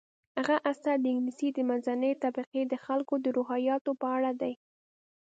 هغه اثر د انګلیس د منځنۍ طبقې د خلکو د روحیاتو په اړه دی.